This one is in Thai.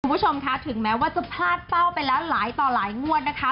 คุณผู้ชมค่ะถึงแม้ว่าจะพลาดเป้าไปแล้วหลายต่อหลายงวดนะคะ